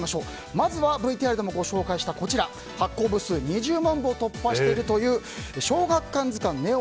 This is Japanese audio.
まずはＶＴＲでもご紹介した発行部数２０万部を突破しているという「小学館の図鑑ＮＥＯ